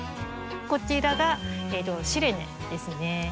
こちらがシレネですね。